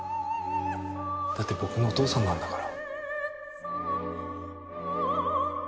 だって僕のお父さんなんだから。